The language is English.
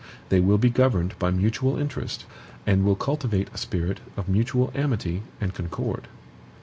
They will be governed by mutual interest, and will cultivate a spirit of mutual amity and concord.